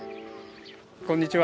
こんにちは。